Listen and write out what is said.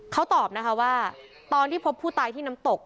เขาตอบนะคะว่าตอนที่พบผู้ตายที่น้ำตก